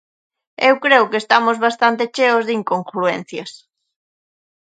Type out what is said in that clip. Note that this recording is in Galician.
Eu creo que estamos bastante cheos de incongruencias.